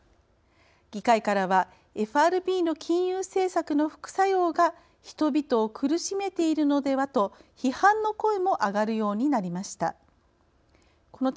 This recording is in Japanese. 議会からはＦＲＢの金融政策の副作用が人々を苦しめているのでは？と批判の声も上がるようになりました。